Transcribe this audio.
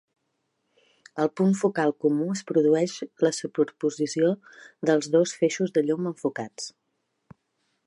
Al punt focal comú es produeix la superposició dels dos feixos de llum enfocats.